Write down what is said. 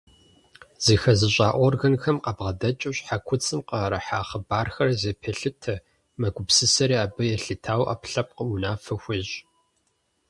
Зыхэзыщӏэ органхэм къабгъэдэкӏыу щхьэкуцӏым къыӏэрыхьа хъыбархэр зэпелъытэ, мэгупсысэри, абы елъытауэ ӏэпкълъэпкъым унафэ хуещӏ.